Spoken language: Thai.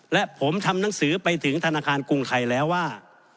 และผมทำหนังสือไปถึงธนาคารกรุงไทยแล้วว่า